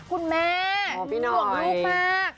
คุณแม่รู้หวงลูกมาก